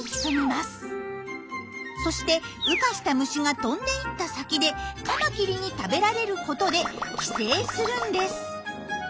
そして羽化した虫が飛んで行った先でカマキリに食べられることで寄生するんです。